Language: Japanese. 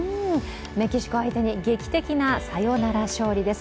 メキシコ相手に劇的なサヨナラ勝利です。